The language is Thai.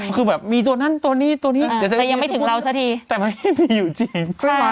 คือแบบมีตัวนั้นตัวนี้ตัวนี้แต่ยังไม่ถึงเราสักทีแต่มันไม่มีอยู่จริง